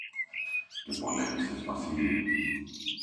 Και πολέμησες, Βασίλη;